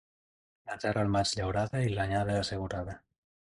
La terra al maig llaurada i l'anyada assegurada.